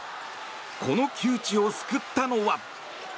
この窮地を救ったのは。